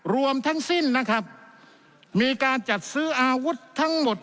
รวมทั้งสิ้นนะครับมีการจัดซื้ออาวุธทั้งหมด